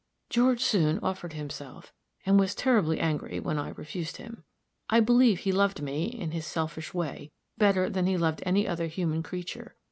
"George soon offered himself, and was terribly angry when I refused him. I believe he loved me, in his selfish way, better than he loved any other human creature.